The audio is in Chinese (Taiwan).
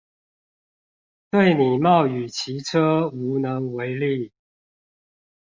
對你冒雨騎車無能為力